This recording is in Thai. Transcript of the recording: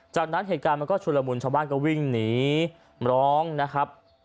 จากนั้นเหตุการณ์มันก็ชุลมุนชาวบ้านก็วิ่งหนีร้องนะครับ